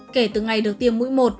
kể từ ngày được tiêm mũi một